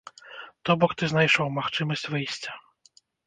То бок ты знайшоў магчымасць выйсця.